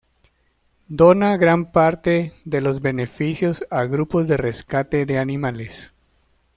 Dona gran parte de los beneficios a grupos de rescate de animales.